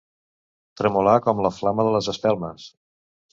Tremolar com la flama de les espelmes.